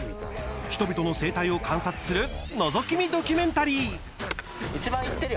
人々の生態を観察するのぞき見ドキュメンタリー。